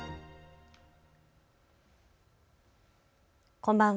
こんばんは。